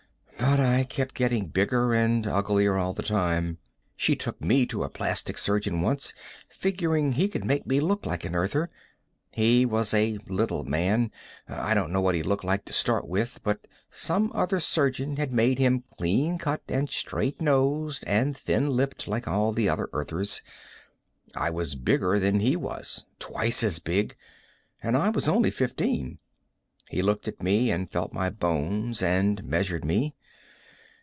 But I kept getting bigger and uglier all the time. She took me to a plastic surgeon once, figuring he could make me look like an Earther. He was a little man; I don't know what he looked like to start with but some other surgeon had made him clean cut and straight nosed and thin lipped like all the other Earthers. I was bigger than he was twice as big, and I was only fifteen. He looked at me and felt my bones and measured me.